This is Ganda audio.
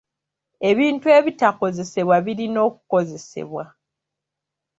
Ebintu ebitakozesebwa birina okukozesebwa.